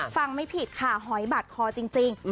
ฟังไม่ผิดค่ะหอยบาดคอจริง